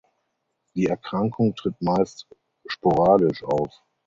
Die Erkrankung tritt meist sporadisch auf.